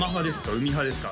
海派ですか？